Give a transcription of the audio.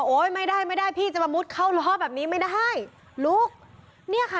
ไม่ได้ไม่ได้พี่จะมามุดเข้าล้อแบบนี้ไม่ได้ลุกเนี่ยค่ะ